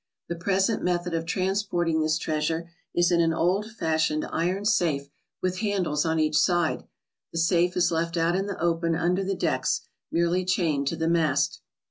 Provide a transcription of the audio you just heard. The present method of transporting this treasure is in an old fashioned iron safe with handles on each side. The safe is left out in the open under the decks, merely chained to the mast.